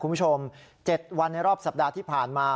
คุณผู้ชม๗วันในรอบสัปดาห์ที่ผ่านมา